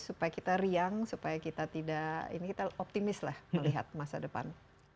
supaya kita riang supaya kita tidak ini kita optimis lah melihat masa depan